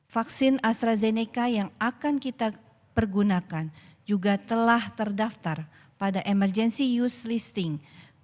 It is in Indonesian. vaksin astrazeneca yang akan kita pergunakan juga telah terdaftar pada emergency use listing